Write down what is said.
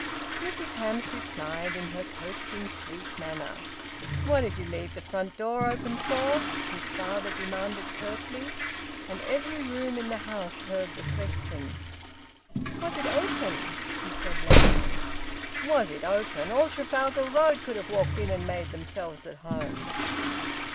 Mrs Hamps replied, in her coaxing, sweet manner. "What did ye leave th' front door open for?" his father demanded curtly, and every room in the house heard the question. "Was it open?" he said lamely. "Was it open! All Trafalgar Road could have walked in and made themselves at home."